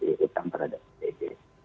di utang terhadap pdb